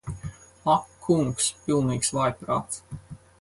Ak kungs. Pilnīgs vājprāts.